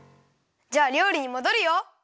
じゃありょうりにもどるよ！